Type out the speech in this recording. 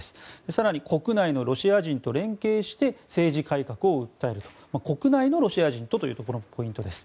更に国内のロシア人と連携して政治改革を訴える国内のロシア人とというのがポイントです。